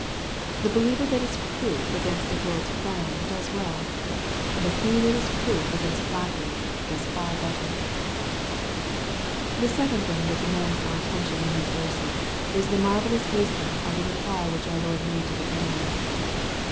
^ The believer that is proof against the world's frown does well. But he that is proof against its flattery does better 286 EZFOSITOBY THOUGHTS. The second thing that demands our attention in these Terses, is the marveUous wisdom of the reply which our Lord made to His enemies.